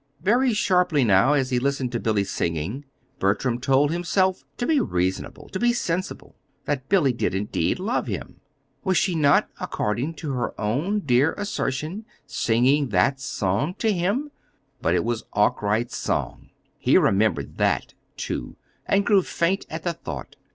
Very sharply now, as he listened to Billy's singing, Bertram told himself to be reasonable, to be sensible; that Billy did, indeed, love him. Was she not, according to her own dear assertion, singing that song to him? But it was Arkwright's song. He remembered that, too and grew faint at the thought.